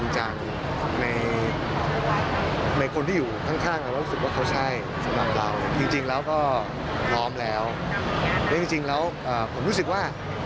จริงเราก็ร้อมแล้วจริงแล้วผมรู้สึกว่า